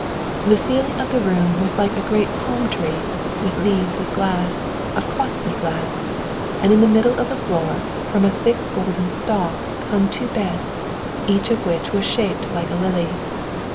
The ceiling of the room was like a great palm tree, with leaves of glass, of costly glass; and in the middle of the floor, from a thick golden stalk, hung two beds, each of which was shaped like a lily.